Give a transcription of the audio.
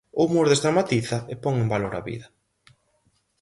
O humor desdramatiza e pon en valor a vida.